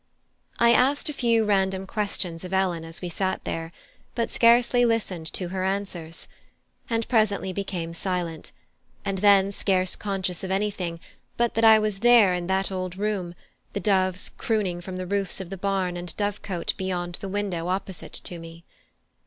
I asked a few random questions of Ellen as we sat there, but scarcely listened to her answers, and presently became silent, and then scarce conscious of anything, but that I was there in that old room, the doves crooning from the roofs of the barn and dovecot beyond the window opposite to me.